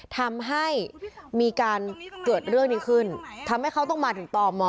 ทำให้มีการเกิดเรื่องนี้ขึ้นทำให้เขาต้องมาถึงตม